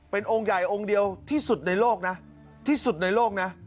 เป็นองค์ใหญ่องค์เดียวที่สุดในโลกนะที่สุดในโลกนะ